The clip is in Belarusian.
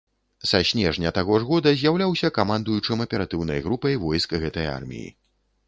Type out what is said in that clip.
Са снежня таго ж года з'яўляўся камандуючым аператыўнай групай войск гэтай арміі.